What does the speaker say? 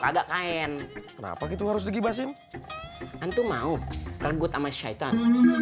kagak kain kenapa gitu harus di gebasin itu mau regut sama syaitan